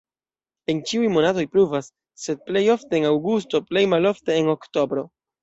En ĉiuj monatoj pluvas, sed plej ofte en aŭgusto, plej malofte en oktobro.